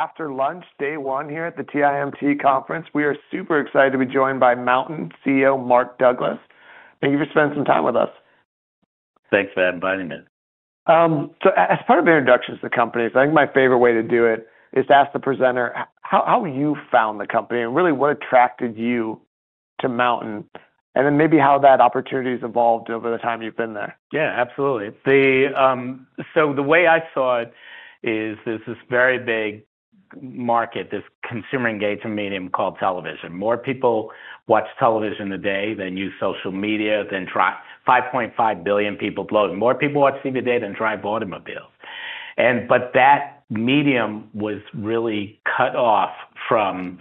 After lunch, day one here at the TIMT Conference. We are super excited to be joined by MNTN CEO, Mark Douglas. Thank you for spending some time with us. Thanks for inviting me. As part of introductions to the company, I think my favorite way to do it is to ask the presenter how you found the company and really what attracted you to MNTN, and then maybe how that opportunity has evolved over the time you've been there? Yeah, absolutely. The way I saw it is there's this very big market, this consumer engagement medium called television. More people watch television today than use social media, than drive. 5.5 billion people, blow. More people watch TV today than drive automobiles. That medium was really cut off from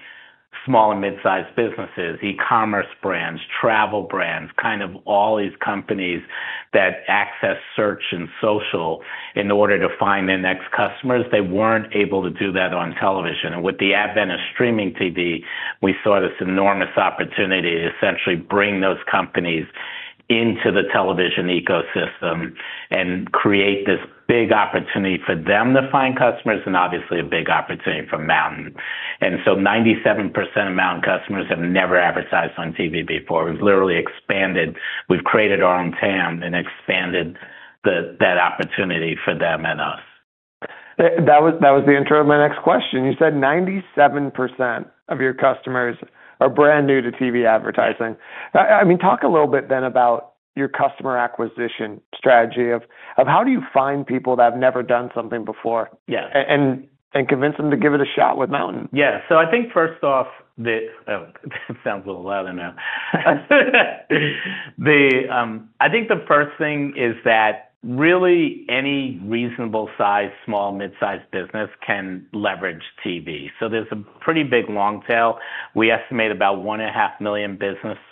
small and mid-sized businesses, e-commerce brands, travel brands, kind of all these companies that access search and social in order to find their next customers. They weren't able to do that on television. With the advent of streaming TV, we saw this enormous opportunity to essentially bring those companies into the television ecosystem and create this big opportunity for them to find customers and obviously a big opportunity for MNTN. 97% of MNTN customers have never advertised on TV before. We've literally expanded. We've created our own TAM and expanded that opportunity for them and us. That was the intro to my next question. You said 97% of your customers are brand new to TV advertising. I mean, talk a little bit then about your customer acquisition strategy of how do you find people that have never done something before and convince them to give it a shot with MNTN? Yeah. I think first off, that sounds a little louder now. I think the first thing is that really any reasonable size, small, mid-sized business can leverage TV. There's a pretty big long tail. We estimate about 1.5 million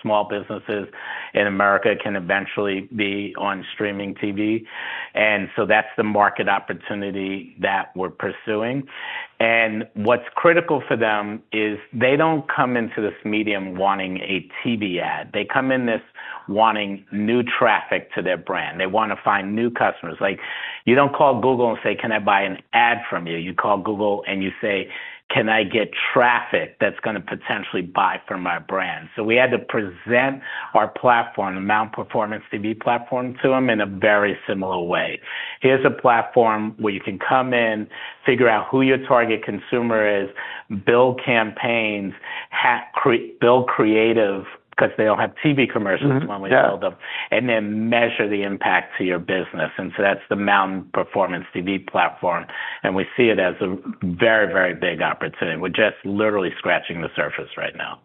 small businesses in America can eventually be on streaming TV. That's the market opportunity that we're pursuing. What's critical for them is they don't come into this medium wanting a TV ad. They come in this wanting new traffic to their brand. They want to find new customers. You don't call Google and say, "Can I buy an ad from you?" You call Google and you say, "Can I get traffic that's going to potentially buy from my brand?" We had to present our platform, the Mountain Performance TV platform, to them in a very similar way. Here's a platform where you can come in, figure out who your target consumer is, build campaigns, build creative because they don't have TV commercials when we sold them, and then measure the impact to your business. That is the Mountain Performance TV platform. We see it as a very, very big opportunity. We're just literally scratching the surface right now.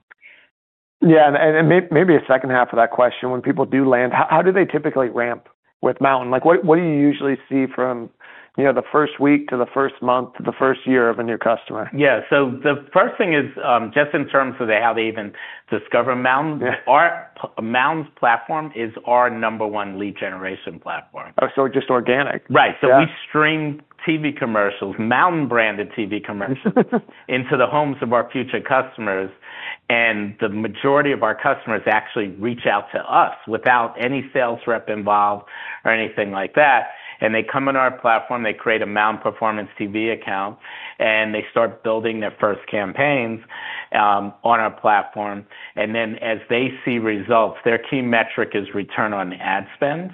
Yeah. And maybe a second half of that question, when people do land, how do they typically ramp with MNTN? What do you usually see from the first week to the first month to the first year of a new customer? Yeah. So the first thing is just in terms of how they even discover MNTN, our MNTN's platform is our number one lead generation platform. Oh, so just organic? Right. We stream TV commercials, MNTN-branded TV commercials into the homes of our future customers. The majority of our customers actually reach out to us without any sales rep involved or anything like that. They come on our platform, they create a Mountain Performance TV account, and they start building their first campaigns on our platform. As they see results, their key metric is return on ad spend.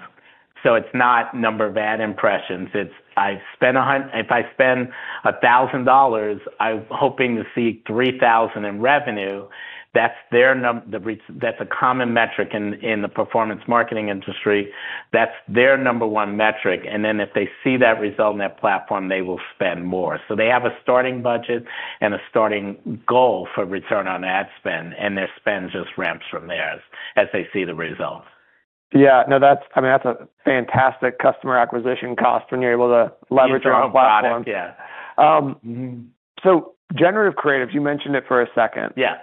It is not number of ad impressions. It is, "If I spend $1,000, I am hoping to see $3,000 in revenue." That is a common metric in the performance marketing industry. That is their number one metric. If they see that result on that platform, they will spend more. They have a starting budget and a starting goal for return on ad spend, and their spend just ramps from there as they see the results. Yeah. No, I mean, that's a fantastic customer acquisition cost when you're able to leverage our platform? Yeah. Generative creatives, you mentioned it for a second. Yeah.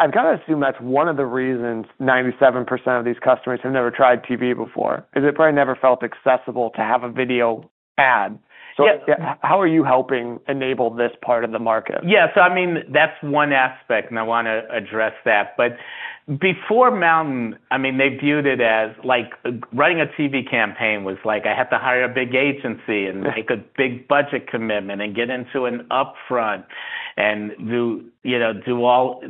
I've got to assume that's one of the reasons 97% of these customers have never tried TV before, is it probably never felt accessible to have a video ad. How are you helping enable this part of the market? Yeah. So I mean, that's one aspect, and I want to address that. But before MNTN, I mean, they viewed it as running a TV campaign was like, "I have to hire a big agency and make a big budget commitment and get into an upfront and do all.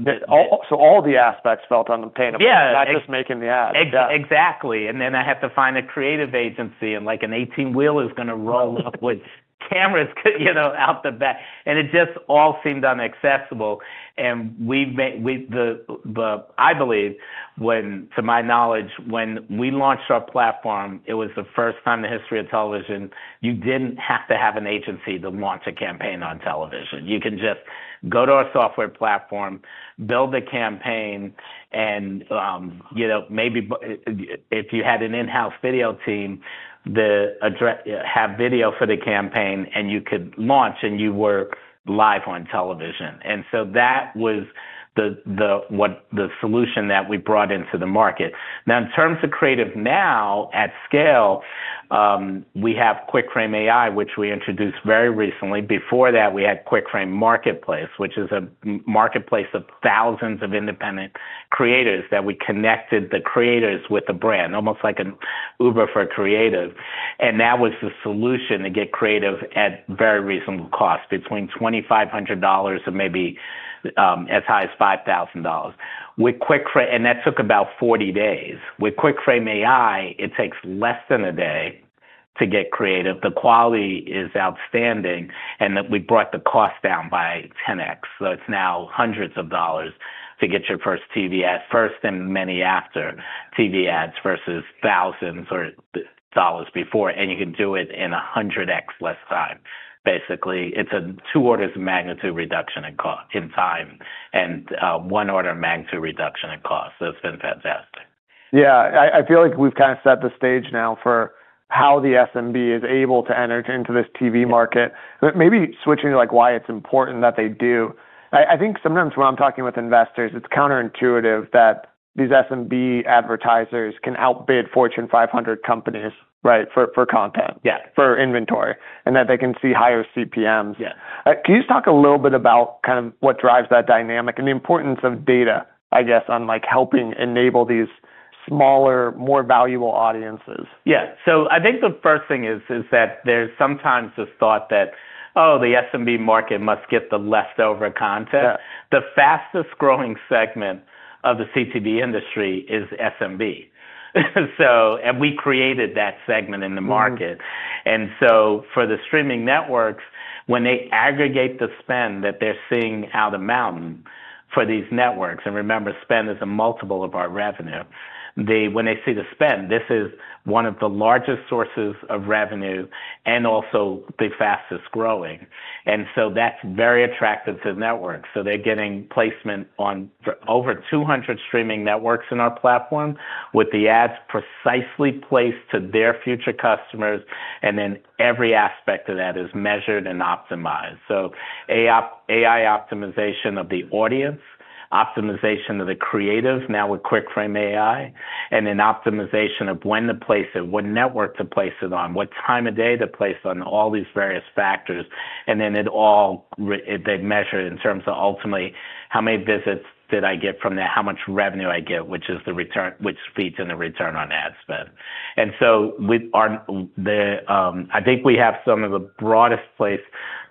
All the aspects felt unattainable, not just making the ad? Exactly. I have to find a creative agency, and an 18-wheeler is going to roll up with cameras out the back. It just all seemed unaccessible. I believe, to my knowledge, when we launched our platform, it was the first time in the history of television you did not have to have an agency to launch a campaign on television. You can just go to our software platform, build the campaign, and maybe if you had an in-house video team, have video for the campaign, and you could launch, and you were live on television. That was the solution that we brought into the market. In terms of creative now at scale, we have Quick Frame AI, which we introduced very recently. Before that, we had Quick Frame Marketplace, which is a marketplace of thousands of independent creators that we connected the creators with the brand, almost like an Uber for creative. That was the solution to get creative at very reasonable cost, between $2,500 and maybe as high as $5,000. That took about 40 days. With Quick Frame AI, it takes less than a day to get creative. The quality is outstanding, and we brought the cost down by 10x. It is now hundreds of dollars to get your first TV ad, first and many after TV ads versus thousands of dollars before. You can do it in 100x less time. Basically, it is a two orders of magnitude reduction in time and one order of magnitude reduction in cost. It has been fantastic. Yeah. I feel like we've kind of set the stage now for how the SMB is able to enter into this TV market. Maybe switching to why it's important that they do. I think sometimes when I'm talking with investors, it's counterintuitive that these SMB advertisers can outbid Fortune 500 companies, right, for content, for inventory, and that they can see higher CPMs. Can you just talk a little bit about kind of what drives that dynamic and the importance of data, I guess, on helping enable these smaller, more valuable audiences? Yeah. I think the first thing is that there's sometimes a thought that, "Oh, the SMB market must get the leftover content." The fastest growing segment of the CTV industry is SMB. We created that segment in the market. For the streaming networks, when they aggregate the spend that they're seeing out of MNTN for these networks, and remember, spend is a multiple of our revenue, when they see the spend, this is one of the largest sources of revenue and also the fastest growing. That is very attractive to the network. They are getting placement on over 200 streaming networks in our platform with the ads precisely placed to their future customers. Every aspect of that is measured and optimized. AI optimization of the audience, optimization of the creative now with Quick Frame AI, and then optimization of when to place it, what network to place it on, what time of day to place it on, all these various factors. It all, they measure in terms of ultimately how many visits did I get from that, how much revenue I get, which feeds in the return on ad spend. I think we have some of the broadest place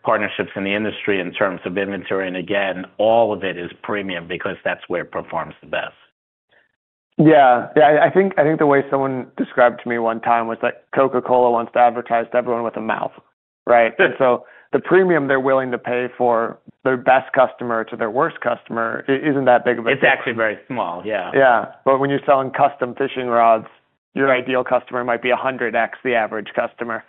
partnerships in the industry in terms of inventory. Again, all of it is premium because that's where it performs the best. Yeah. I think the way someone described to me one time was that Coca-Cola wants to advertise to everyone with a mouth, right? And so the premium they're willing to pay for their best customer to their worst customer isn't that big of a difference? It's actually very small. Yeah. Yeah. When you're selling custom fishing rods, your ideal customer might be 100x the average customer.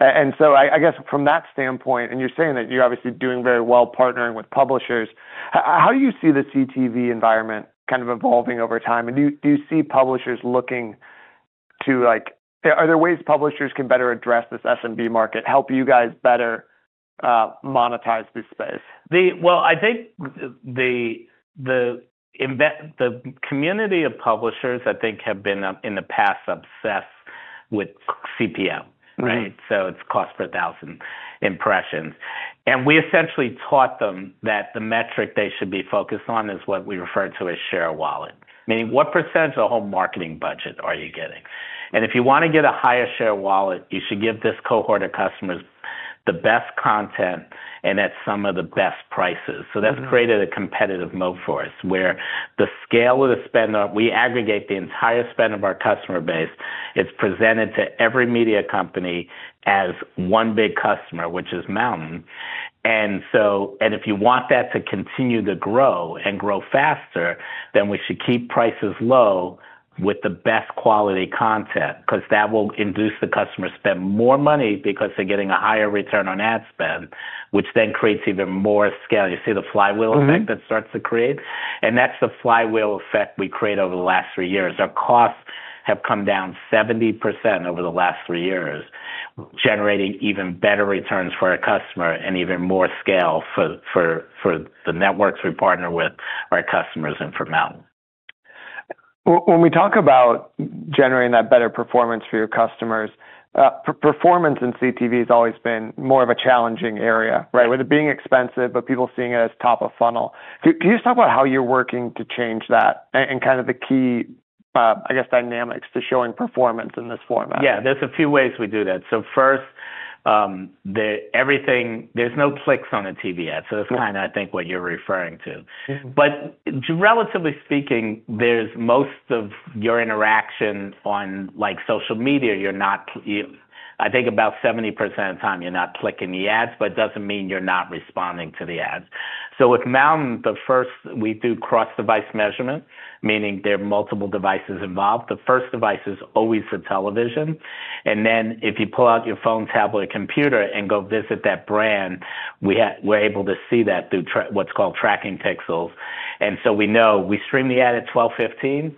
I guess from that standpoint, and you're saying that you're obviously doing very well partnering with publishers, how do you see the CTV environment kind of evolving over time? Do you see publishers looking to, are there ways publishers can better address this SMB market, help you guys better monetize this space? I think the community of publishers, I think, have been in the past obsessed with CPM, right? It is cost per thousand impressions. We essentially taught them that the metric they should be focused on is what we refer to as share of wallet. I mean, what percentage of the whole marketing budget are you getting? If you want to get a higher share of wallet, you should give this cohort of customers the best content and at some of the best prices. That has created a competitive mode for us where the scale of the spend, we aggregate the entire spend of our customer base. It is presented to every media company as one big customer, which is MNTN. If you want that to continue to grow and grow faster, we should keep prices low with the best quality content because that will induce the customer to spend more money because they're getting a higher return on ad spend, which then creates even more scale. You see the flywheel effect that starts to create. That's the flywheel effect we create over the last three years. Our costs have come down 70% over the last three years, generating even better returns for our customer and even more scale for the networks we partner with our customers and for MNTN. When we talk about generating that better performance for your customers, performance in CTV has always been more of a challenging area, right? With it being expensive, but people seeing it as top of funnel. Can you just talk about how you're working to change that and kind of the key, I guess, dynamics to showing performance in this format? Yeah. There's a few ways we do that. First, there's no clicks on a TV ad. That's kind of, I think, what you're referring to. Relatively speaking, most of your interaction on social media, I think about 70% of the time you're not clicking the ads, but it doesn't mean you're not responding to the ads. With MNTN, we do cross-device measurement, meaning there are multiple devices involved. The first device is always the television. If you pull out your phone, tablet, or computer and go visit that brand, we're able to see that through what's called tracking pixels. We know we stream the ad at 12:15 or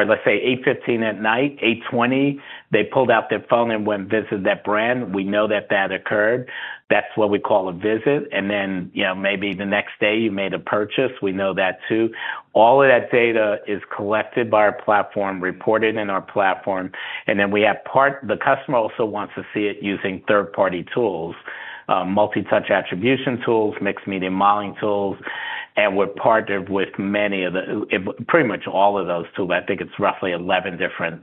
let's say 8:15 at night, 8:20, they pulled out their phone and went to visit that brand. We know that that occurred. That's what we call a visit. Maybe the next day you made a purchase. We know that too. All of that data is collected by our platform, reported in our platform. The customer also wants to see it using third-party tools, multi-touch attribution tools, mixed media modeling tools. We are partnered with many of the, pretty much all of those tools. I think it is roughly 11 different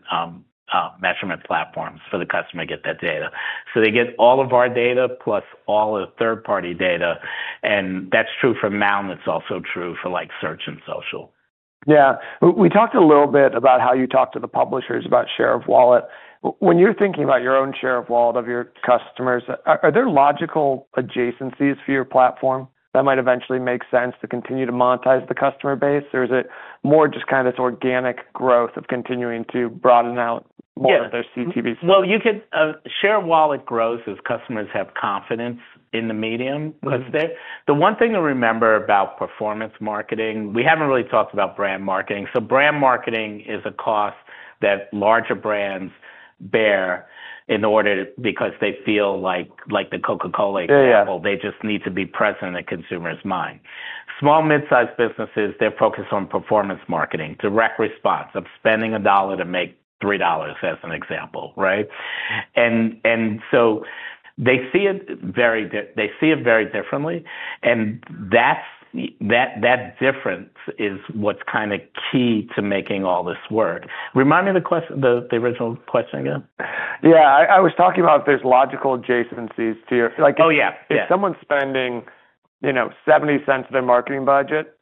measurement platforms for the customer to get that data. They get all of our data plus all of the third-party data. That is true for MNTN. It is also true for search and social. Yeah. We talked a little bit about how you talk to the publishers about share of wallet. When you're thinking about your own share of wallet of your customers, are there logical adjacencies for your platform that might eventually make sense to continue to monetize the customer base? Or is it more just kind of this organic growth of continuing to broaden out more of their CTV space? Share of wallet growth is customers have confidence in the medium because the one thing to remember about performance marketing, we have not really talked about brand marketing. Brand marketing is a cost that larger brands bear in order because they feel like the Coca-Cola example, they just need to be present in a consumer's mind. Small, mid-sized businesses, they are focused on performance marketing, direct response of spending a dollar to make $3, as an example, right? They see it very differently. That difference is what is kind of key to making all this work. Remind me of the original question again. Yeah. I was talking about there's logical adjacencies to your. Oh, yeah. If someone's spending $0.70 of their marketing budget,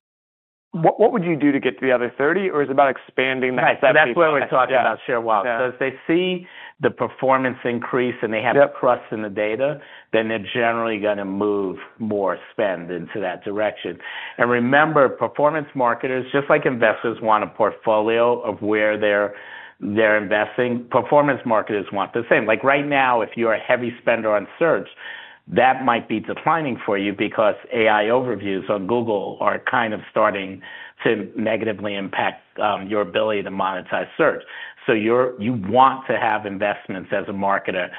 what would you do to get to the other $0.30? Or is it about expanding that $0.70? That's what we're talking about, share of wallet. If they see the performance increase and they have the trust in the data, then they're generally going to move more spend into that direction. Remember, performance marketers, just like investors want a portfolio of where they're investing, performance marketers want the same. Right now, if you're a heavy spender on search, that might be declining for you because AI overviews on Google are kind of starting to negatively impact your ability to monetize search. You want to have investments as a marketer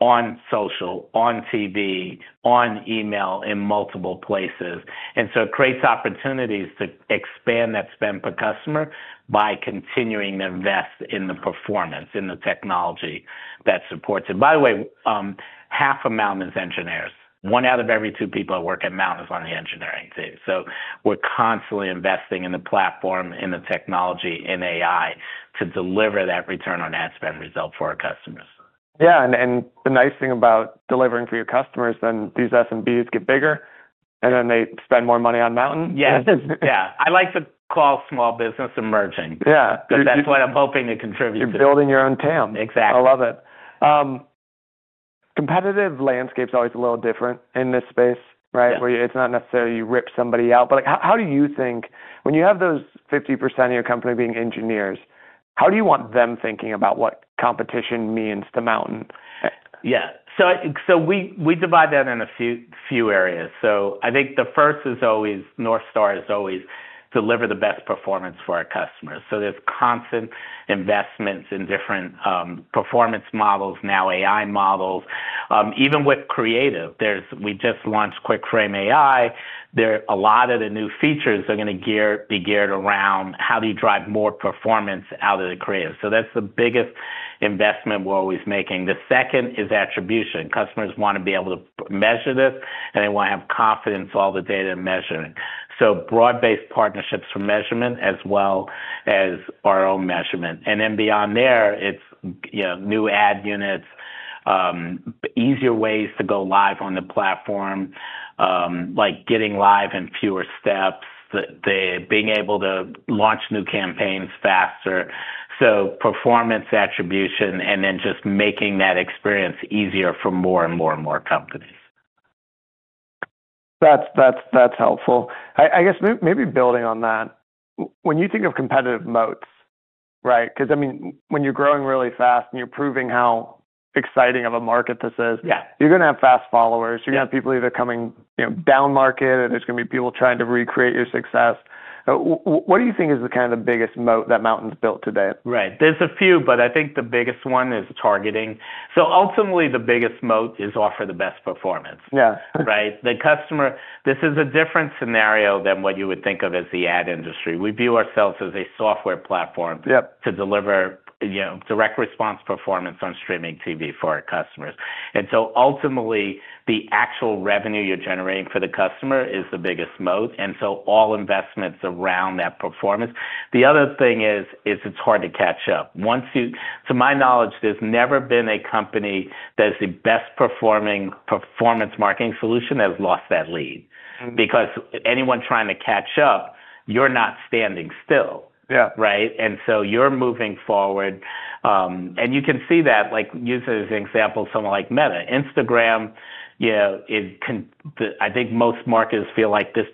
on social, on TV, on email in multiple places. It creates opportunities to expand that spend per customer by continuing to invest in the performance, in the technology that supports it. By the way, half of MNTN is engineers. One out of every two people that work at MNTN is on the engineering team. We're constantly investing in the platform, in the technology, in AI to deliver that return on ad spend result for our customers. Yeah. And the nice thing about delivering for your customers then these SMBs get bigger, and then they spend more money on MNTN. Yeah. I like to call small business emerging. Yeah. Because that's what I'm hoping to contribute to. You're building your own town. Exactly. I love it. Competitive landscape is always a little different in this space, right? It's not necessarily you rip somebody out. How do you think when you have those 50% of your company being engineers, how do you want them thinking about what competition means to MNTN? Yeah. So we divide that in a few areas. I think the first is always North Star is always deliver the best performance for our customers. There is constant investments in different performance models, now AI models. Even with creative, we just launched Quick Frame AI. A lot of the new features are going to be geared around how do you drive more performance out of the creative. That is the biggest investment we are always making. The second is attribution. Customers want to be able to measure this, and they want to have confidence in all the data and measure it. Broad-based partnerships for measurement as well as our own measurement. Beyond there, it is new ad units, easier ways to go live on the platform, like getting live in fewer steps, being able to launch new campaigns faster. Performance attribution and then just making that experience easier for more and more and more companies. That's helpful. I guess maybe building on that, when you think of competitive moats, right? Because I mean, when you're growing really fast and you're proving how exciting of a market this is, you're going to have fast followers. You're going to have people either coming down market, and there's going to be people trying to recreate your success. What do you think is kind of the biggest moat that MNTN's built today? Right. There's a few, but I think the biggest one is targeting. Ultimately, the biggest moat is offer the best performance, right? This is a different scenario than what you would think of as the ad industry. We view ourselves as a software platform to deliver direct response performance on streaming TV for our customers. Ultimately, the actual revenue you're generating for the customer is the biggest moat. All investments are around that performance. The other thing is it's hard to catch up. To my knowledge, there's never been a company that's the best performing performance marketing solution that has lost that lead. Anyone trying to catch up, you're not standing still, right? You're moving forward. You can see that, use as an example someone like Meta. Instagram, I think most marketers feel like this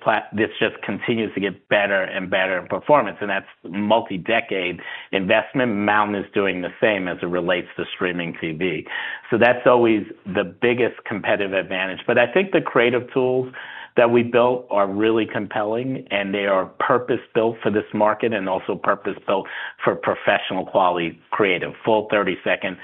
just continues to get better and better in performance. That's multi-decade investment. MNTN is doing the same as it relates to streaming TV. That's always the biggest competitive advantage. I think the creative tools that we built are really compelling, and they are purpose-built for this market and also purpose-built for professional quality creative, full 30-second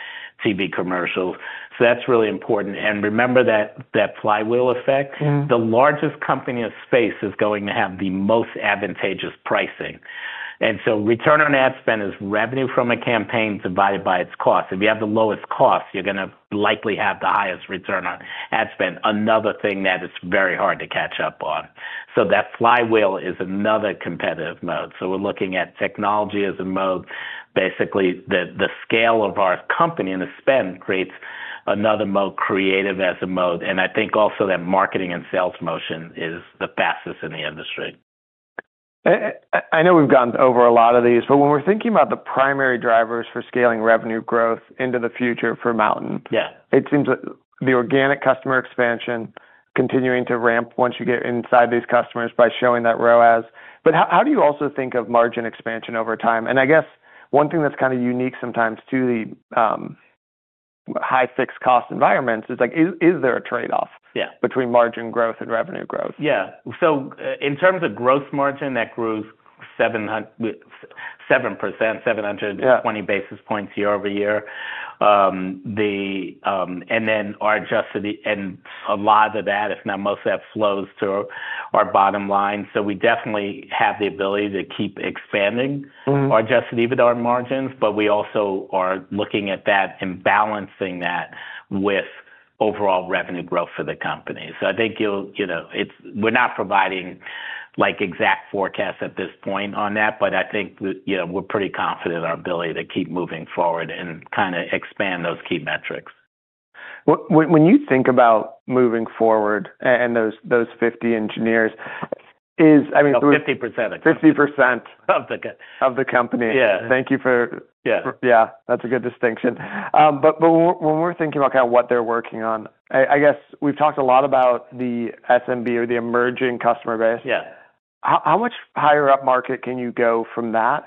TV commercials. That's really important. Remember that flywheel effect, the largest company in space is going to have the most advantageous pricing. Return on ad spend is revenue from a campaign divided by its cost. If you have the lowest cost, you're going to likely have the highest return on ad spend, another thing that is very hard to catch up on. That flywheel is another competitive moat. We're looking at technology as a moat. Basically, the scale of our company and the spend creates another moat, creative as a moat. I think also that marketing and sales motion is the fastest in the industry. I know we've gone over a lot of these, but when we're thinking about the primary drivers for scaling revenue growth into the future for MNTN, it seems like the organic customer expansion continuing to ramp once you get inside these customers by showing that ROAS. How do you also think of margin expansion over time? I guess one thing that's kind of unique sometimes to the high-fixed cost environments is, is there a trade-off between margin growth and revenue growth? Yeah. So in terms of gross margin, that grows 7%, 720 basis points year over year. And then our adjusted, and a lot of that, if not most of that, flows to our bottom line. We definitely have the ability to keep expanding our adjusted EBITDA margins, but we also are looking at that and balancing that with overall revenue growth for the company. I think we're not providing exact forecasts at this point on that, but I think we're pretty confident in our ability to keep moving forward and kind of expand those key metrics. When you think about moving forward and those 50 engineers, I mean? Oh, 50% of the company. 50% of the company. Thank you for, yeah, that's a good distinction. When we're thinking about kind of what they're working on, I guess we've talked a lot about the SMB or the emerging customer base. How much higher up market can you go from that?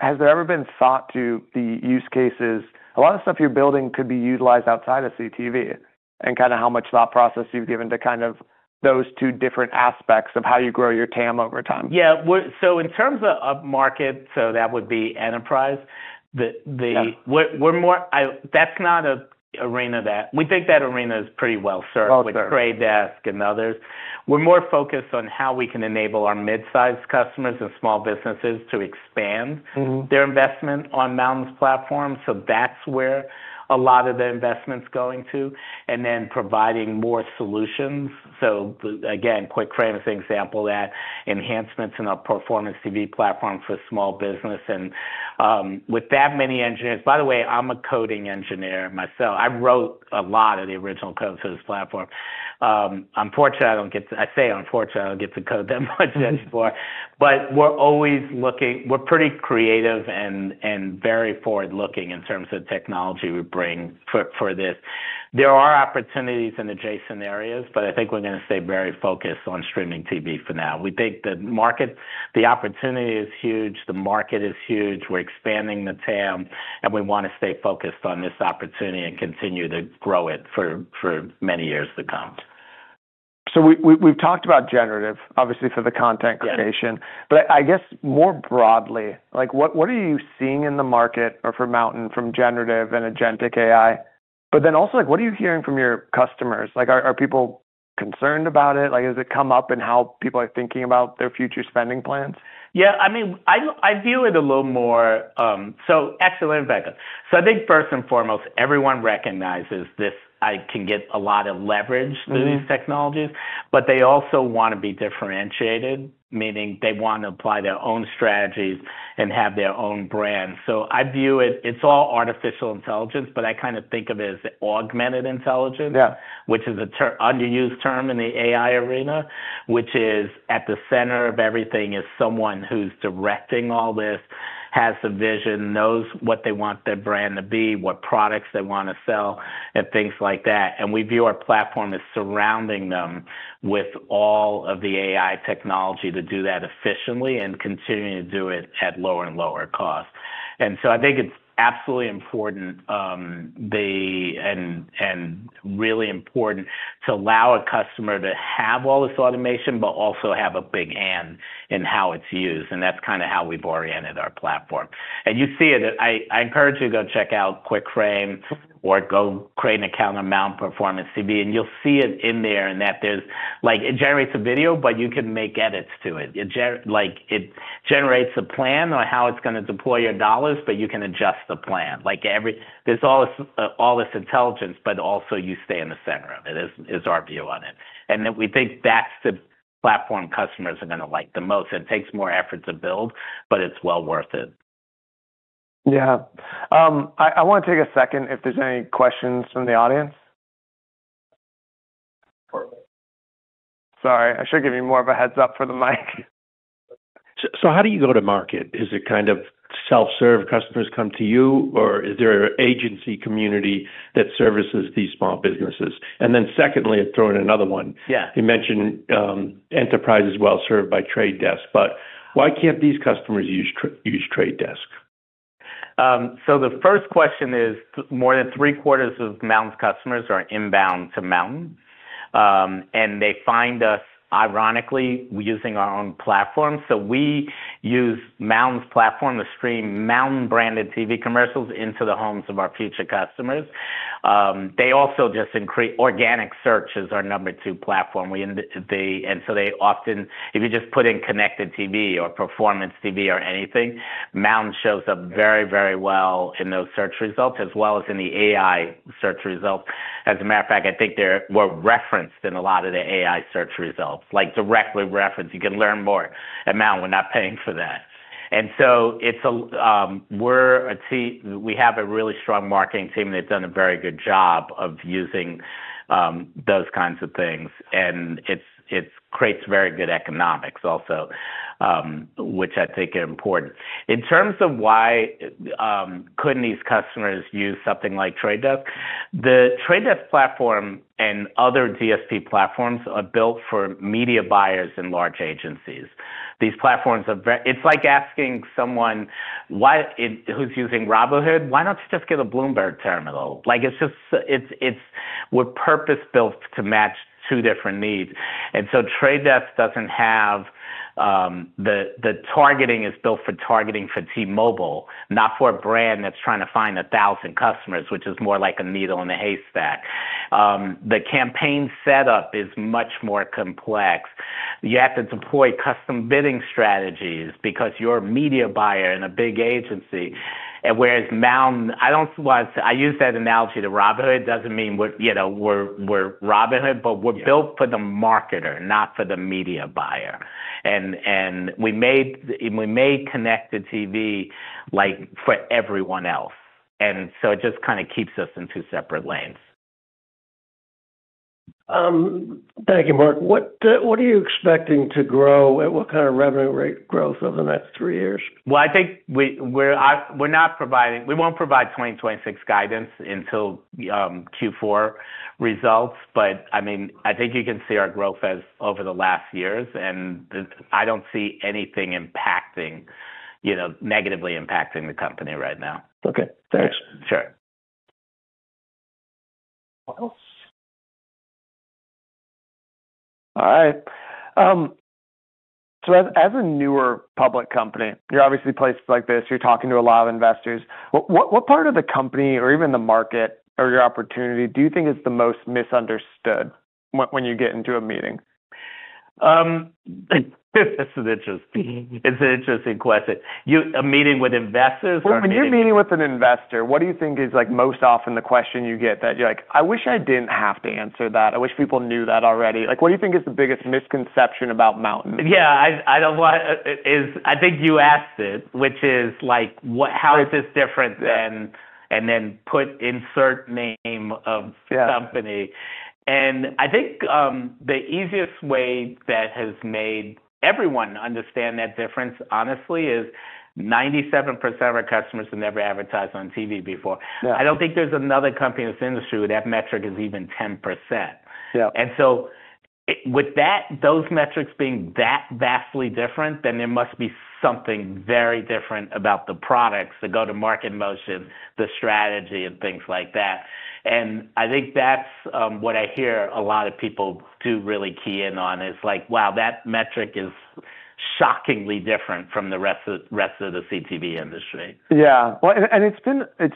Has there ever been thought to the use cases? A lot of stuff you're building could be utilized outside of CTV and kind of how much thought process you've given to those two different aspects of how you grow your TAM over time? Yeah. In terms of market, that would be enterprise. That's not an arena that we think that arena is pretty well served with The Trade Desk and others. We're more focused on how we can enable our mid-sized customers and small businesses to expand their investment on MNTN's platform. That's where a lot of the investment's going to. Providing more solutions, Quick Frame is an example of that, enhancements in our Performance TV platform for small business. With that many engineers, by the way, I'm a coding engineer myself. I wrote a lot of the original code for this platform. I'm fortunate I don't get to, I say unfortunate I don't get to code that much anymore. We're always looking, we're pretty creative and very forward-looking in terms of technology we bring for this. There are opportunities in adjacent areas, but I think we're going to stay very focused on streaming TV for now. We think the market, the opportunity is huge. The market is huge. We're expanding the TAM, and we want to stay focused on this opportunity and continue to grow it for many years to come. We've talked about generative, obviously, for the content creation. I guess more broadly, what are you seeing in the market for MNTN from generative and agentic AI? Then also, what are you hearing from your customers? Are people concerned about it? Has it come up in how people are thinking about their future spending plans? Yeah. I mean, I view it a little more, so excellent investment. I think first and foremost, everyone recognizes this. I can get a lot of leverage through these technologies, but they also want to be differentiated, meaning they want to apply their own strategies and have their own brand. I view it, it's all artificial intelligence, but I kind of think of it as augmented intelligence, which is an underused term in the AI arena, which is at the center of everything is someone who's directing all this, has a vision, knows what they want their brand to be, what products they want to sell, and things like that. We view our platform as surrounding them with all of the AI technology to do that efficiently and continue to do it at lower and lower cost. I think it's absolutely important and really important to allow a customer to have all this automation, but also have a big hand in how it's used. That's kind of how we've oriented our platform. You see it. I encourage you to go check out Quick Frame or go create an account on Mountain Performance TV, and you'll see it in there and that there's like it generates a video, but you can make edits to it. It generates a plan on how it's going to deploy your dollars, but you can adjust the plan. There's all this intelligence, but also you stay in the center of it is our view on it. We think that's the platform customers are going to like the most. It takes more effort to build, but it's well worth it. Yeah. I want to take a second if there's any questions from the audience. Sorry. I should give you more of a heads-up for the mic. How do you go to market? Is it kind of self-serve? Customers come to you, or is there an agency community that services these small businesses? Secondly, I throw in another one. You mentioned enterprise is well served by The Trade Desk, but why can't these customers use The Trade Desk? The first question is more than three-quarters of MNTN's customers are inbound to MNTN. They find us, ironically, using our own platform. We use MNTN's platform to stream MNTN-branded TV commercials into the homes of our future customers. They also just increase organic search, which is our number two platform. They often, if you just put in connected TV or performance TV or anything, MNTN shows up very, very well in those search results, as well as in the AI search results. As a matter of fact, I think we're referenced in a lot of the AI search results, like directly referenced. You can learn more at MNTN. We're not paying for that. We have a really strong marketing team that's done a very good job of using those kinds of things. It creates very good economics also, which I think are important. In terms of why couldn't these customers use something like The Trade Desk, the Trade Desk platform and other DSP platforms are built for media buyers and large agencies. These platforms are very, it's like asking someone who's using Robinhood, why don't you just get a Bloomberg terminal? It's just we're purpose-built to match two different needs. Trade Desk doesn't have the targeting, it's built for targeting for T-Mobile, not for a brand that's trying to find 1,000 customers, which is more like a needle in a haystack. The campaign setup is much more complex. You have to deploy custom bidding strategies because you're a media buyer in a big agency. Whereas MNTN, I don't want to say I use that analogy to Robinhood. It doesn't mean we're Robinhood, but we're built for the marketer, not for the media buyer. We made connected TV for everyone else. It just kind of keeps us in two separate lanes. Thank you, Mark. What are you expecting to grow? What kind of revenue rate growth over the next three years? I think we're not providing, we won't provide 2026 guidance until Q4 results. I mean, I think you can see our growth over the last years, and I don't see anything negatively impacting the company right now. Okay. Thanks. Sure. What else? All right. As a newer public company, you're obviously placed like this. You're talking to a lot of investors. What part of the company or even the market or your opportunity do you think is the most misunderstood when you get into a meeting? It's an interesting question. A meeting with investors. When you're meeting with an investor, what do you think is most often the question you get that you're like, "I wish I didn't have to answer that. I wish people knew that already." What do you think is the biggest misconception about MNTN? Yeah. I think you asked it, which is like, how is this different than and then insert name of company. I think the easiest way that has made everyone understand that difference, honestly, is 97% of our customers have never advertised on TV before. I do not think there is another company in this industry where that metric is even 10%. With that, those metrics being that vastly different, there must be something very different about the products, the go-to-market motion, the strategy, and things like that. I think that is what I hear a lot of people do really key in on is like, "Wow, that metric is shockingly different from the rest of the CTV industry. Yeah. It's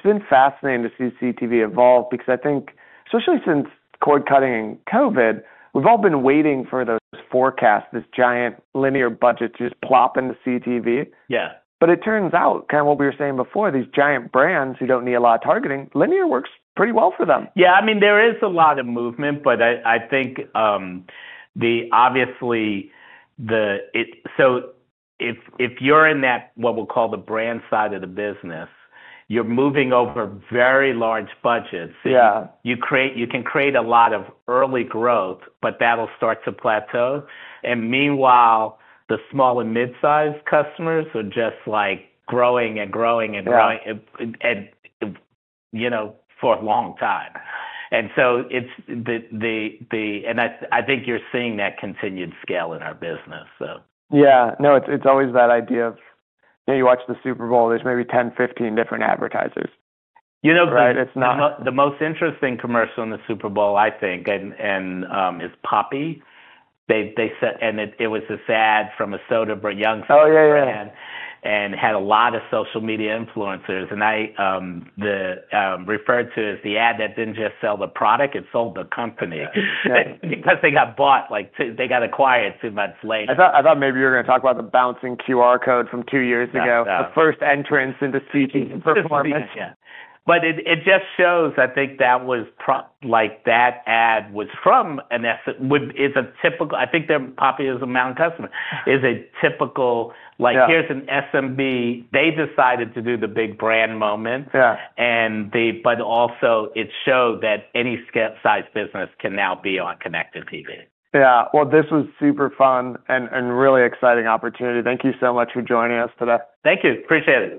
been fascinating to see CTV evolve because I think, especially since cord cutting and COVID, we've all been waiting for those forecasts, this giant linear budget to just plop into CTV. It turns out, kind of what we were saying before, these giant brands who do not need a lot of targeting, linear works pretty well for them. Yeah. I mean, there is a lot of movement, but I think obviously, if you're in that what we'll call the brand side of the business, you're moving over very large budgets. You can create a lot of early growth, but that'll start to plateau. Meanwhile, the small and mid-sized customers are just like growing and growing and growing for a long time. It's the, and I think you're seeing that continued scale in our business. Yeah. No, it's always that idea of you watch the Super Bowl, there's maybe 10, 15 different advertisers. You know, the most interesting commercial in the Super Bowl, I think, is Puppy. And it was this ad from a Soter Youngster. Oh, yeah, yeah. It had a lot of social media influencers. I referred to it as the ad that didn't just sell the product, it sold the company because they got bought, they got acquired two months later. I thought maybe you were going to talk about the bouncing QR code from two years ago, the first entrance into CTV performance. It just shows, I think that was like that ad was from an, is a typical, I think Puppy is a MNTN customer, is a typical, like here's an SMB, they decided to do the big brand moment. It also showed that any size business can now be on connected TV. Yeah. This was super fun and really exciting opportunity. Thank you so much for joining us today. Thank you. Appreciate it.